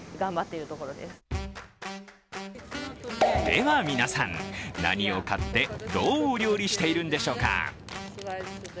では、皆さん、何を買って、どう料理しているんでしょうか？